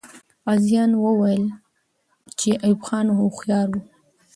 غازیان وویل چې ایوب خان هوښیار وو.